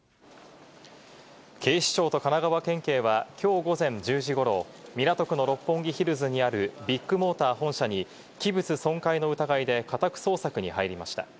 警視庁と神奈川県警は、きょう午前１０時ごろ、港区の六本木ヒルズにあるビッグモーター本社に器物損壊の疑いで家宅捜索に入りました。